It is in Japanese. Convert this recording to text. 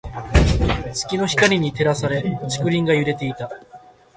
月の光に照らされ、竹林が揺れていた。